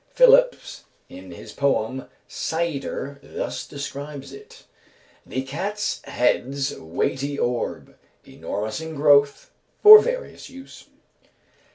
Philips in his poem "Cyder" thus describes it: " ...The cat's head's weighty orb, Enormous in growth, for various use."